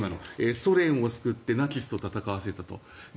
ソ連を救ってナチスと戦わせたと。